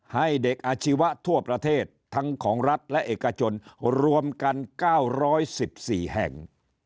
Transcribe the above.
ให้เด็กอาชีวะทั่วประเทศทั้งของรัฐและเอกชนรวมกัน๙๑๔แห่ง